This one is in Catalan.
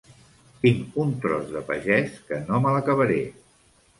Tinc un tros de pagès que no me l'acabaré.